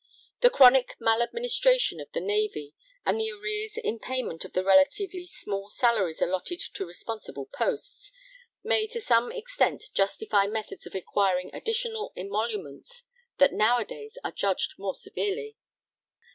The chronic maladministration of the Navy, and the arrears in payment of the relatively small salaries allotted to responsible posts, may to some extent justify methods of acquiring additional emoluments that nowadays are judged more severely.